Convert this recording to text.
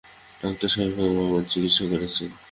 ডা সরকার এখন আমার চিকিৎসা করছেন।